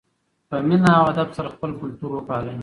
په مینه او ادب سره خپل کلتور وپالئ.